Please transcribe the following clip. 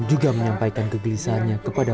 juga menyampaikan kegelisahannya kepada